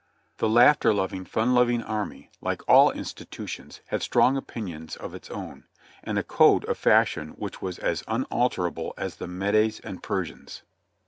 The laughter loving, fun loving army, like all institutions, had strong opinions of its own, and a code of fashion which was as unalterable as the Medes and Persians.